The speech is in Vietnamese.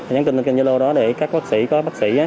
nhắn kênh kênh dơ lô đó để các bác sĩ có bác sĩ